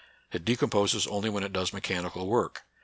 It de composes only when it does mechanical work.